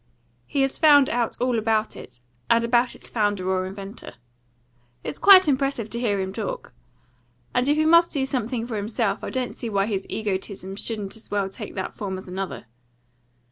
He has found out all about it, and about its founder or inventor. It's quite impressive to hear him talk. And if he must do something for himself, I don't see why his egotism shouldn't as well take that form as another.